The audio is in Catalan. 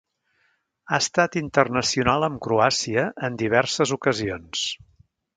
Ha estat internacional amb Croàcia en diverses ocasions.